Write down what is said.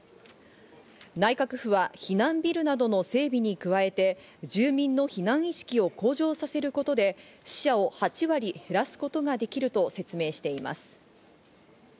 内閣府は避難ビルなどの整備に加えて、住民の避難意識を向上させることで死者を８割減らすことができると説明しています。